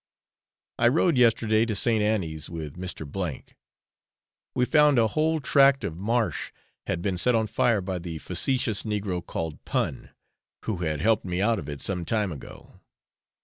I rode yesterday to St. Annie's with Mr. . We found a whole tract of marsh had been set on fire by the facetious negro called Pun, who had helped me out of it some time ago.